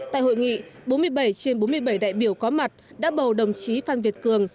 tại hội nghị bốn mươi bảy trên bốn mươi bảy đại biểu có mặt đã bầu đồng chí phan việt cường